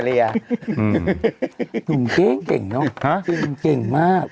ดุ่มเก่งเก่งมาก